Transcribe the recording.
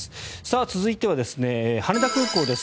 続いては羽田空港です。